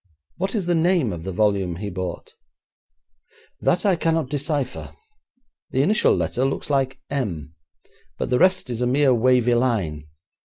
What is the name of the volume he bought?' 'That I cannot decipher. The initial letter looks like "M", but the rest is a mere wavy line.